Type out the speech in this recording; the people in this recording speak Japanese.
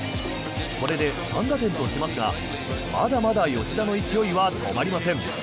これで３打点としますがまだまだ吉田の勢いは止まりません。